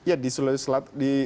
ya di sulawesi selatan